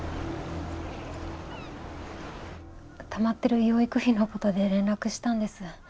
たまってる養育費のことで連絡したんです。